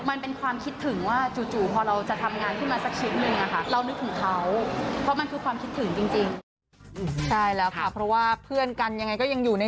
มันเป็นความคิดถึงว่า